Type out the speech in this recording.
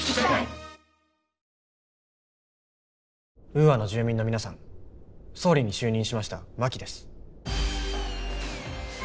ウーアの住民の皆さん総理に就任しました真木です。